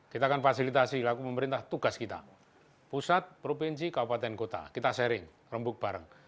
kita akan fasilitasi laku pemerintah tugas kita pusat provinsi kabupaten kota kita sharing rembuk bareng